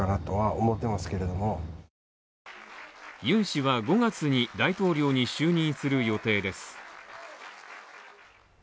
ユン氏は５月に大統領に就任する予定です。